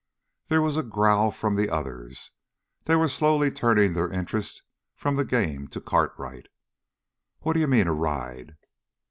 There was a growl from the others. They were slowly turning their interest from the game to Cartwright. "What d'you mean a ride?"